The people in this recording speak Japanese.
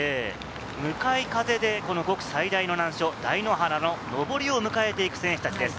向かい風で５区最大の難所・台原の上りを迎えていく選手たちです。